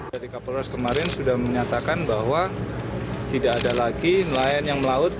dari kapolres kemarin sudah menyatakan bahwa tidak ada lagi nelayan yang melaut